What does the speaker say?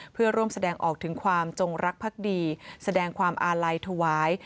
เพื่อร่วมแสดงออกถึงความจงรักภักดีแสดงความอาลัยถวาย